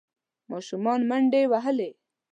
ماشومان منډې وهلې.